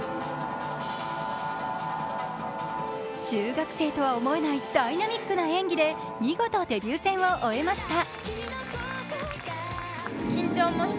中学生とは思えないダイナミックな演技で見事デビュー戦を終えました。